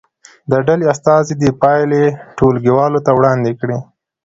د ډلې استازي دې پایلې ټولګي والو ته وړاندې کړي.